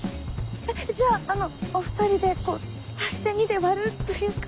じゃあお２人で足して２で割るというか。